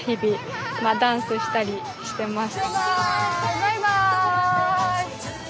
バイバイ！